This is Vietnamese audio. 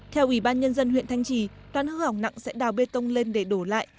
theo ubnd huyện thanh trì đoạn hư hỏng nặng sẽ đào bê tông lên để đổ lại